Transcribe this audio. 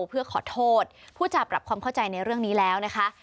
เพื่อขอโทษผู้จาปรับความเข้าใจในเรื่องนี้แล้วนะคะ